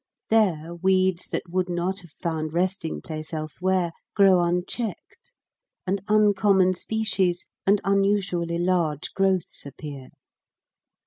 There weeds that would not have found resting place elsewhere grow unchecked, and uncommon species and unusually large growths appear.